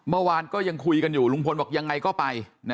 เมื่อวานก็ยังคุยกันอยู่ลุงพลบอกยังไงก็ไป